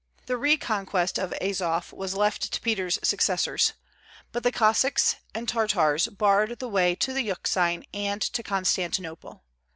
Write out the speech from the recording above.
The reconquest of Azof was left to Peter's successors; but the Cossacks and Tartars barred the way to the Euxine and to Constantinople.